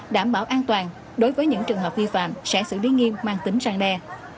đảm bảo an toàn đối với những trường hợp vi phạm sẽ xử lý nghiêm mang tính răng đe